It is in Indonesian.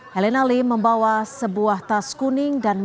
helena lim membawa sebuah tas kuning